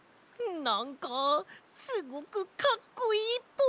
なんかすごくかっこいいっぽい！